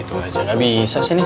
itu aja gak bisa sih nih